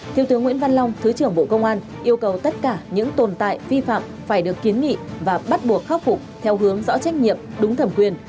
thiếu tướng nguyễn văn long thứ trưởng bộ công an yêu cầu tất cả những tồn tại vi phạm phải được kiến nghị và bắt buộc khắc phục theo hướng rõ trách nhiệm đúng thẩm quyền